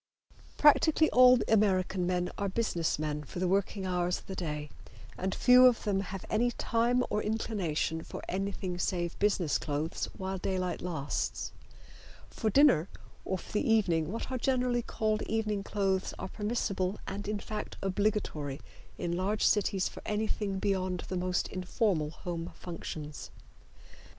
Practically all American men are business men for the working hours of the day, and few of them have any time or inclination for anything save business clothes while daylight lasts. For dinner or for the evening what are generally called evening clothes are permissible, and in fact obligatory in large cities for anything beyond the most informal home functions.